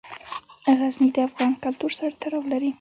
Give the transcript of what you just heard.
غزني د افغان کلتور سره تړاو لري.